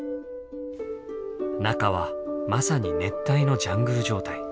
中はまさに熱帯のジャングル状態。